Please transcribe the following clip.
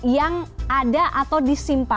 yang ada atau diselamatkan